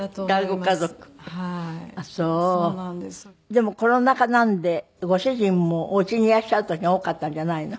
でもコロナ禍なんでご主人もおうちにいらっしゃる時が多かったんじゃないの？